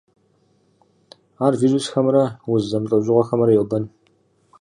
Ар вирусхэмрэ уз зэмылӏэужьыгъуэхэмрэ йобэн.